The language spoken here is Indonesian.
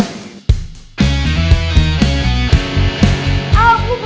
enggak gua cuma mau